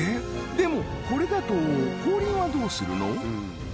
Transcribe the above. でもこれだと後輪はどうするの？